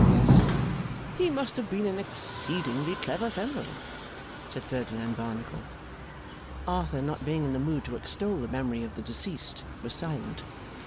Yes.' 'He must have been an exceedingly clever fellow,' said Ferdinand Barnacle. Arthur, not being in the mood to extol the memory of the deceased, was silent.